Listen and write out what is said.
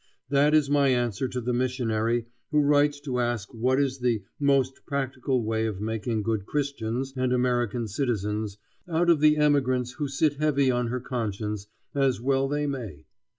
That is my answer to the missionary who writes to ask what is the "most practical way of making good Christians and American citizens" out of the emigrants who sit heavy on her conscience, as well they may.